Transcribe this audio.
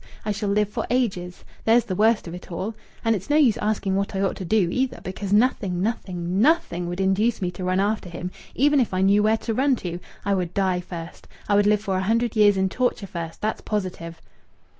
I shall live for ages. There's the worst of it all!... And it's no use asking what I ought to do, either, because nothing, nothing, nothing would induce me to run after him, even if I knew where to run to! I would die first. I would live for a hundred years in torture first. That's positive."